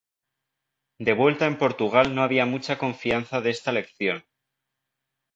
De vuelta en Portugal no había mucha confianza de esta elección.